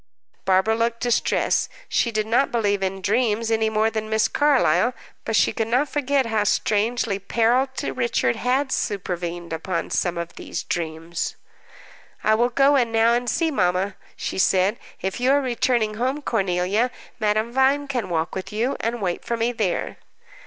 Barbara looked distressed. She did not believe in dreams any more than Miss Carlyle, but she could not forget how strangely peril to Richard had supervened upon some of these dreams. "I will go in now and see mamma," she said. "If you are returning home, Cornelia, Madame Vine can walk with you, and wait for me there."